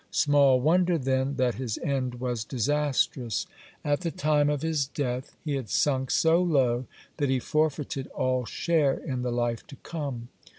(99) Small wonder, then, that his end was disastrous. At the time of his death he had sunk so low that he forfeited all share in the life to come.